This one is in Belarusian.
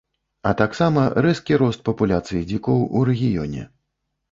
А таксама рэзкі рост папуляцыі дзікоў у рэгіёне.